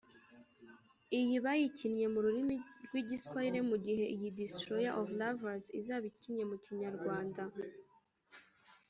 Iyi bayikinnye mu rurimi rw’Igiswahili mu gihe iyi “Destroyer of Lovers” izaba ikinnye mu Kinyarwanda